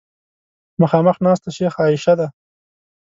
مخامخ ناسته شیخه عایشه ده.